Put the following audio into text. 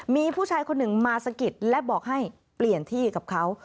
มีผู้ชายคนหนึ่งมาสะกิดและบอกให้เปลี่ยนที่กับเขา